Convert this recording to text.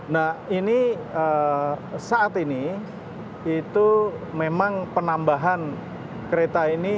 nah ini saat ini itu memang penambahan kereta ini